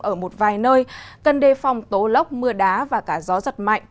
ở một vài nơi cần đề phòng tố lốc mưa đá và cả gió giật mạnh